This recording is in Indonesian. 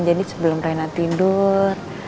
jadi sebelum reyna tidur